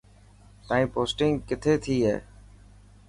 تائين پوسٽنگ ڪٿي ٿي هي.